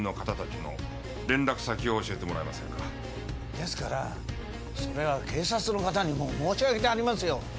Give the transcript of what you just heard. ですからそれは警察の方に申し上げてあります。